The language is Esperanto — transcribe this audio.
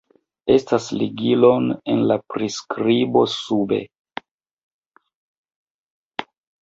Estas ligilon en la priskribo sube